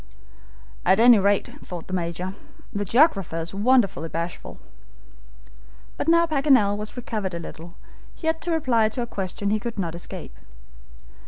"At any rate," thought the Major, "the geographer is wonderfully bashful." But now Paganel was recovered a little, he had to reply to a question he could not escape.